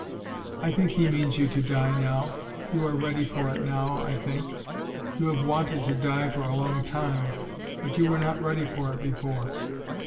"I think He means you to die now. You are ready for it now, I think. You have wanted to die for a long time; but you were not ready for it before."